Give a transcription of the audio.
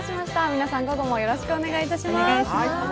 皆さん、午後もよろしくお願いします。